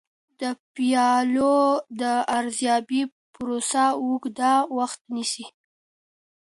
د پایلو د ارزیابۍ پروسه اوږده وخت نیسي.